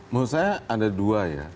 menurut saya ada dua ya